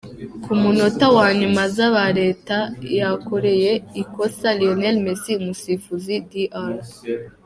Ku munota wa nyuma, Zabaleta yakoreye ikosa Lionel Messi, umusifuzi Dr.